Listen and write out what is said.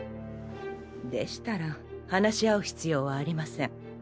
でしたら話し合う必要はありません。